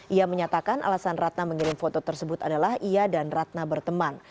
ia menyatakan alasan ratna mengirim foto tersebut adalah ia dan ratna berteman